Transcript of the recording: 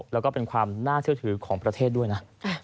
แล้วก็เป็นความน่าเชื่อถือของประเทศด้วยนะ